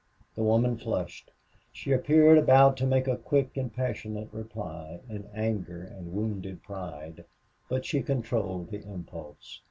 The woman flushed. She appeared about to make a quick and passionate reply, in anger and wounded pride, but she controlled the impulse.